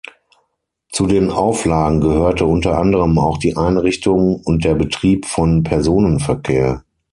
Zu den Auflagen gehörte unter anderem auch die Einrichtung und der Betrieb von Personenverkehr.